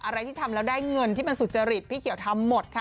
อะไรที่ทำแล้วได้เงินที่มันสุจริตพี่เขียวทำหมดค่ะ